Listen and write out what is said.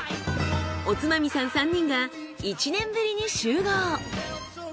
おつまみさん３人が１年ぶりに集合。